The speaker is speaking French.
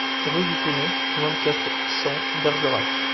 Rue du Tounet, vingt-quatre, cent Bergerac